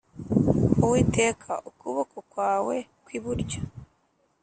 “uwiteka, ukuboko kwawe kw’iburyo